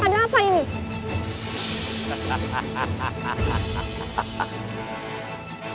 ada apa ini